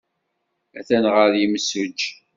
Atan ɣer yimsujji.